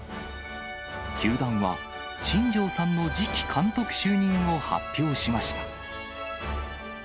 球団は、新庄さんの次期監督就任を発表しました。